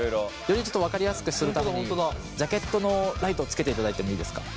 よりちょっと分かりやすくするためにジャケットのライトをつけていただいてもいいですか？